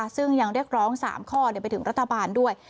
ซึ่งยังเรียกร้อง๓ข้อไปถึงรัฐบาลด้วย